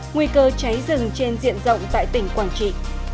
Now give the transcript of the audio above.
nguy cơ cháy rừng trên diện rộng tại tỉnh quảng trị